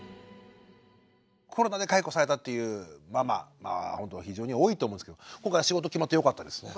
コロナで解雇されたっていうママ非常に多いと思うんですけども今回仕事決まってよかったですね。